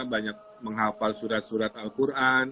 banyak menghafal surat surat al quran